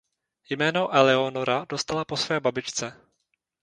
Jméno Eleonora dostala po své babičce.